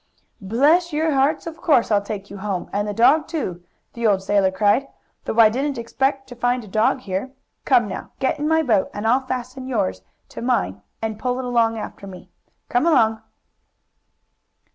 "Bless your hearts, of course I'll take you home, and the dog, too!" the old sailor cried, "though I didn't expect to find a dog here. Come now, get in my boat, and I'll fasten yours to mine, and pull it along after me. Come along!"